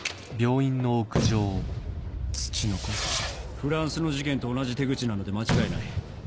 フランスの事件と同じ手口なので間違いない。